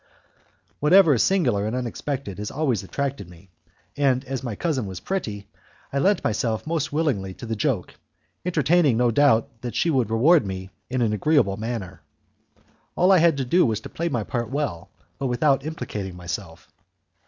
Whatever is singular and unexpected has always attracted me, and as my cousin was pretty, I lent myself most willingly to the joke, entertaining no doubt that she would reward me in an agreeable manner. All I had to do was to play my part well, but without implicating myself.